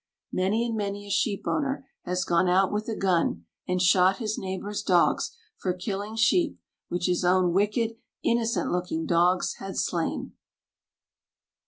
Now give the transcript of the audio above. Many and many a sheep owner has gone out with a gun and shot his neighbour's dogs for killing sheep which his own wicked, innocent looking dogs had slain.